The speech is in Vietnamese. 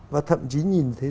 và thậm chí nhìn thấy